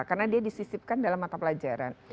karena dia disisipkan dalam mata pelajaran